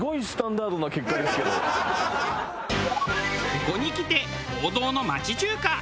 ここにきて王道の町中華。